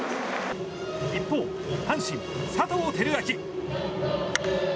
一方、阪神、佐藤輝明。